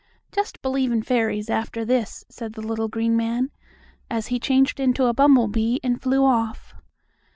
"Just believe in fairies after this," said the little green man, as he changed into a bumble bee and flew off.